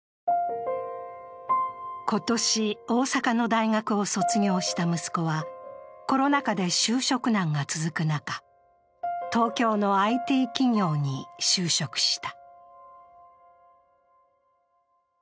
今年、大阪の大学を卒業した息子はコロナ禍で就職難が続く中、東京のＩＴ企業に就職した。